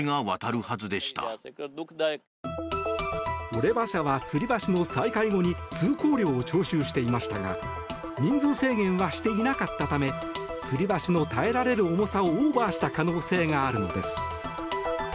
オレバ社は、つり橋の再開後に通行料を徴収していましたが人数制限はしていなかったためつり橋の耐えられる重さをオーバーした可能性があるのです。